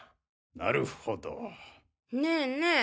なるほど。ねぇねぇ。